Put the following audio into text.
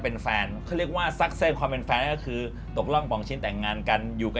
พ่อไม่เฉียดค่ะเริ่มเป็นตั้งหมดค่ะ